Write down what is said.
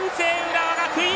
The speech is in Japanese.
浦和学院！